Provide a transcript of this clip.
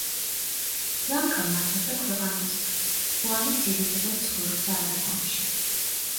ბლანკა მართავდა ქვეყანას, ხუანი ძირითადად ცხოვრობდა არაგონში.